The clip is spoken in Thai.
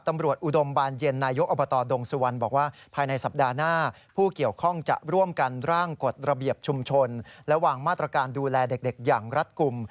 มาตรการดูแลเด็กอย่างรัดกลุ่ม